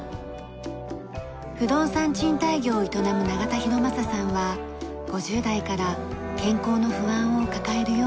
不動産賃貸業を営む長田博正さんは５０代から健康の不安を抱えるようになりました。